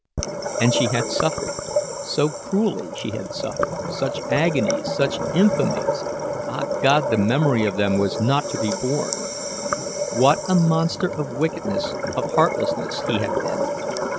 And she had suffered—so cruelly she had suffered, such agonies, such infamies—ah, God, the memory of them was not to be borne. What a monster of wickedness, of heartlessness, he had been!